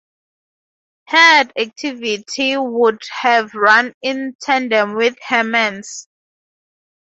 Her head activity would have run in tandem with Herman's.